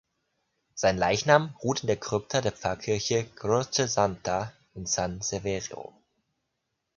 Sein Leichnam ruht in der Krypta der Pfarrkirche "Croce Santa" in San Severo.